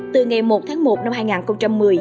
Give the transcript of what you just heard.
từ ngày một tháng một năm hai nghìn một mươi